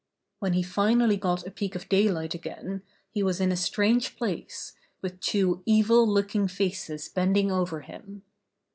When he finally got a peek of daylight again, he was in a strange place, with two evil looking faces bending over him.